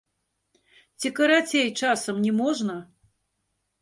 Ці карацей, часам, не можна?